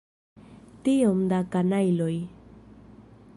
Tiom da kanajloj!